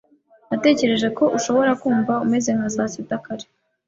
Natekereje ko ushobora kumva umeze nka sasita kare.